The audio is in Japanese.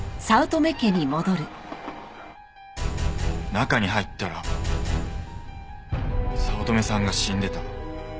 中に入ったら早乙女さんが死んでた。